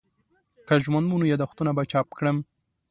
که ژوند وو نو یادښتونه به چاپ کړم.